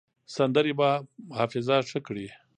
سندرې به حافظه ښه کړي.